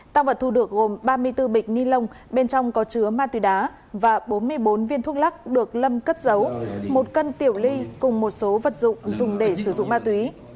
tăng vật thu được gồm ba mươi bốn bịch ni lông bên trong có chứa ma túy đá và bốn mươi bốn viên thuốc lắc được lâm cất giấu một cân tiểu ly cùng một số vật dụng dùng để sử dụng ma túy